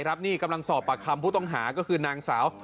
นี่กำลังสอบปากคำผู้ต้องหาก็คือนางสาว